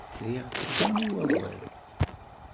Rriɣ-tt kan i wawal.